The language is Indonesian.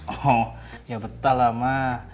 oh ya betah lah emak